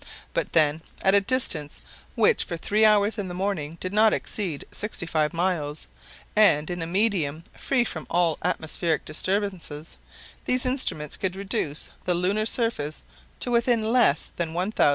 But then, at a distance which for three hours in the morning did not exceed sixty five miles, and in a medium free from all atmospheric disturbances, these instruments could reduce the lunar surface to within less than 1,500 yards!